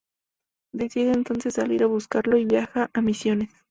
Decide entonces salir a buscarlo y viaja a Misiones.